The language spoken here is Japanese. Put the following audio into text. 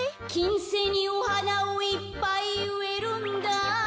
「きんせいにおはなをいっぱいうえるんだあ